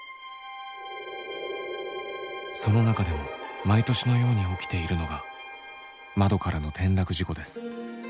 その中でも毎年のように起きているのが窓からの転落事故です。